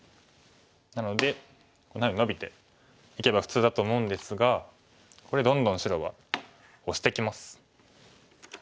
なのでこんなふうにノビていけば普通だと思うんですがこれどんどん白はオシてきます。